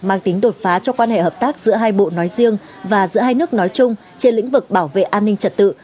mang tính đột phá cho quan hệ hợp tác giữa hai bộ nói riêng và giữa hai nước nói chung trên lĩnh vực bảo vệ an ninh trật tự